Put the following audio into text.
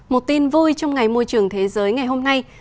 một tin vui trong ngày môi trường thế giới ngày hôm nay